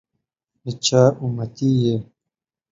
دچا اُمتي يی؟